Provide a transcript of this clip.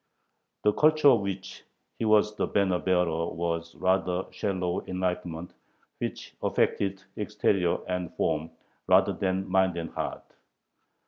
The culture of which he was the banner bearer was a rather shallow enlightenment, which affected exterior and form rather than mind and heart.